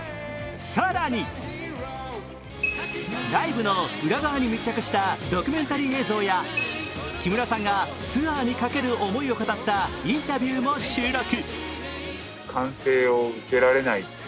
更に、ライブの裏側に密着したドキュメンタリー映像や木村さんがツアーにかける思いを語ったインタビューも収録。